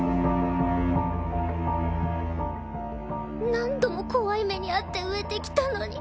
何度も怖い目に遭って植えてきたのに。